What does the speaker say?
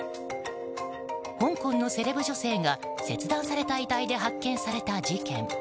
香港のセレブ女性が切断された遺体で見つかった事件。